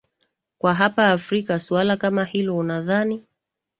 kwa hapa afrika suala kama hilo unadhani